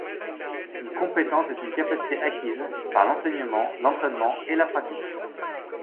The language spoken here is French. Une compétence est une capacité acquise - par l'enseignement, l'entraînement et la pratique.